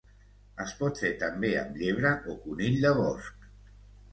Es pot fer també amb llebre o conill de bosc